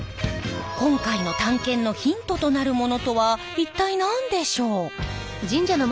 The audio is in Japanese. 今回の探検のヒントとなるものとは一体何でしょう？